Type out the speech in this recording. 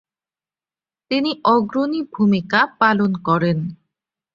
তিনি অগ্রণী ভূমিকা পালন করেন।